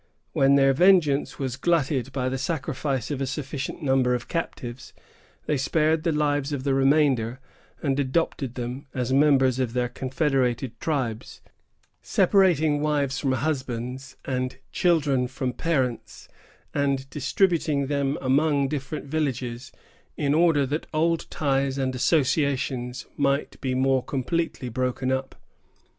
When their vengeance was glutted by the sacrifice of a sufficient number of captives, they spared the lives of the remainder, and adopted them as members of their confederated tribes, separating wives from husbands, and children from parents, and distributing them among different villages, in order that old ties and associations might be more completely broken up.